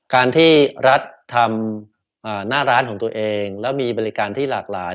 การที่รัฐทำหน้าร้านของตัวเองแล้วมีบริการที่หลากหลาย